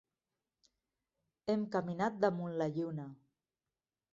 Hem caminat damunt la Lluna.